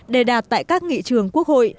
để đạt tại các nghị trường quốc hội